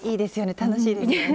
楽しいですよね。